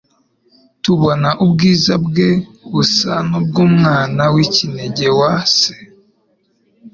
tubona ubwiza bwe busa n'ubw'Umwana w'ikinege wa Se.»